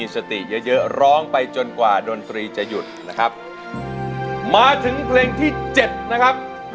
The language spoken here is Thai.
สติเยอะเยอะร้องไปจนกว่าดนตรีจะหยุดนะครับมาถึงเพลงที่เจ็ดนะครับ